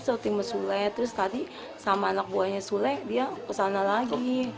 siting mesule terus tadi sama anak buahnya sule dia kesana lagi